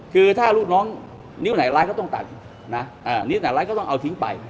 คือถ้าลูกน้องนิ้วไหนร้ายก็ต้องตัดนะนิ้วไหนร้ายก็ต้องเอาทิ้งไป